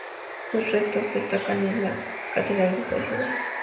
Sus restos descansan en la Catedral de esa ciudad.